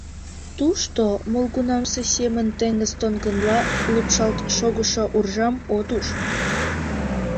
Тушто молгунамсе семын теҥыз толкынла лупшалт шогышо уржам от уж.